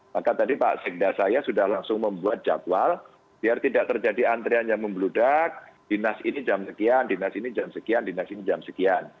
maka tadi pak sekda saya sudah langsung membuat jadwal biar tidak terjadi antrian yang membeludak dinas ini jam sekian dinas ini jam sekian dinas ini jam sekian